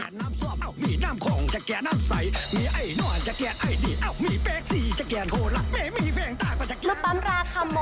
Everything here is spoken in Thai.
ลูกป้ำราคมงคลเสร็จเรียบร้อยนะครับ